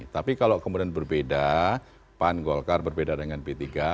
tapi kalau kemudian berbeda pan golkar berbeda dengan p tiga